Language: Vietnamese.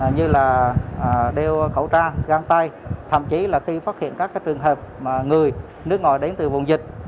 như là đeo khẩu trang găng tay thậm chí là khi phát hiện các trường hợp người nước ngoài đến từ vùng dịch